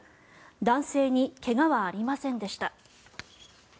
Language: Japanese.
男性に怪我はありませんでした。